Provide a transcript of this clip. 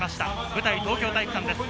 舞台、東京体育館です。